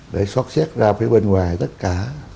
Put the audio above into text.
để xót xét ra phía bên ngoài tất cả